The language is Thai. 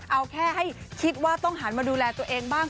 เอาแค่ให้คิดว่าต้องหันมาดูแลตัวเองบ้าง